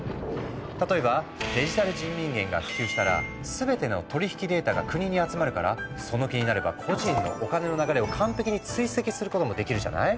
例えばデジタル人民元が普及したら全ての取り引きデータが国に集まるからその気になれば個人のお金の流れを完璧に追跡することもできるじゃない？